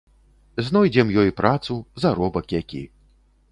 Знойдзем ёй працу, заробак які.